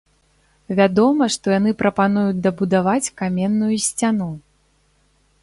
Вядома, што яны прапануюць дабудаваць каменную сцяну.